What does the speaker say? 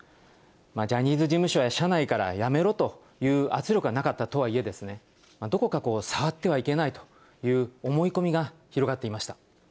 ジャニーズ事務所や社内からやめろという圧力はなかったとはいえ、どこか触ってはいけないという思い込みが広がっていました。